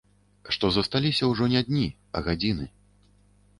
Што засталіся ўжо не дні, а гадзіны.